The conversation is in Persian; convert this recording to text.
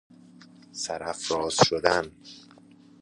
سرافراز شدن